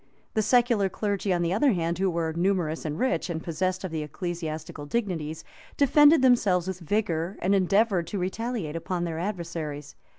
The secular clergy, on the other hand, who were numerous and rich, and possessed of the ecclesiastical dignities, defended themselves with vigor and endeavored to retaliate upon their adversaries.